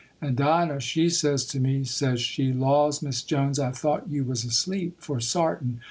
And Dinah she says to me, says she,—"Laws, Miss Jones, I thought you was asleep, for sartin!"